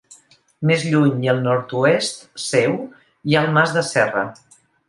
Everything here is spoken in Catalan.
Més lluny i al nord-oest seu hi ha el Mas de Serra.